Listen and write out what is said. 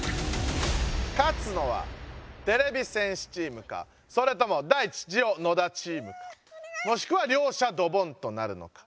勝つのはてれび戦士チームかそれともダイチ・ジオ野田チームかもしくはりょうしゃドボンとなるのか。